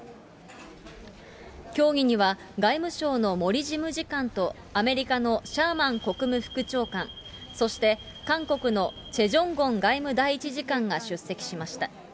協議には、外務省の森事務次官とアメリカのシャーマン国務副長官、そして韓国のチェ・ジョンゴン外務第１次官が出席しました。